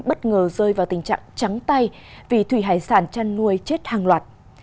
bất ngờ rơi vào tình trạng trắng tay vì thủy hải sản chăn nuôi chết hàng loạt